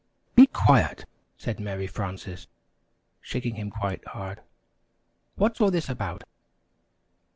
"Be quiet!" said Mary Frances, shaking him quite hard. "What's all this about?"